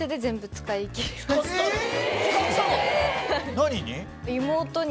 何に？